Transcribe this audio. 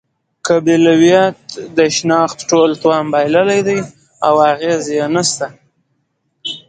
قبیلویت د شناخت ټول توان بایللی دی او اغېز یې نشته.